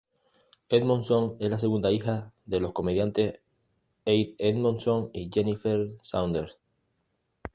Edmondson es la segunda hija de los comediantes Ade Edmondson y Jennifer Saunders.